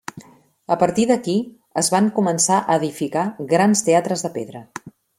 A partir d'aquí, es van començar a edificar grans teatres de pedra.